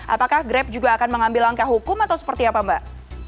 apakah grab juga akan mengambil langkah hukum atau seperti apa mbak